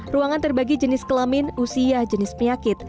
ruangan terbagi jenis kelamin usia jenis penyakit